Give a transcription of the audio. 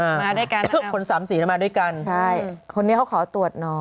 อ่ามาด้วยกันนะครับคนสามสี่มันมาด้วยกันใช่คนนี้เขาขอตรวจน้อย